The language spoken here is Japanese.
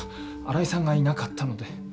新井さんがいなかったので。